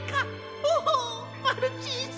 おおマルチーズ！